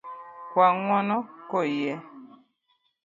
Kwa ng'uono koyie.